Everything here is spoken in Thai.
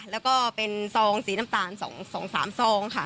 แล้วก็เป็นทรงสีนำตาลสองสองสามทรงค่ะ